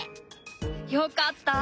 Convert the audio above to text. よかった。